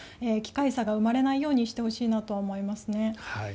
機会差が生まれないようにしてほしいなとは思いますね。